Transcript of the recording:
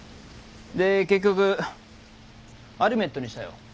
で結局アルメットにしたよ。